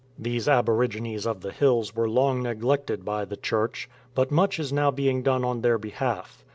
These aborigines of the hills were long neglected by the Church, but much is now being done on their behalf.